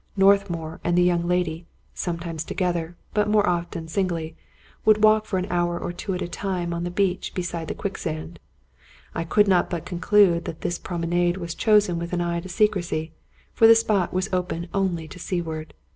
Northmour, and the young lady, sometimes together, but more often singly, would walk for an hour or two at a time on the beach beside the quicksand. I could not but conclude that this promenade was chosen with an eye to secrecy; for the spot was open only to seaward.